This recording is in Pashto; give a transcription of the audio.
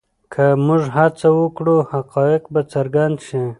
که موږ هڅه وکړو حقایق به څرګند شي.